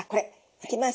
いきます。